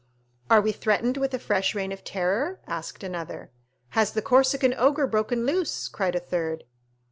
"Are we threatened with a fresh Reign of Terror?" asked another. "Has the Corsican ogre broken loose?" cried a third.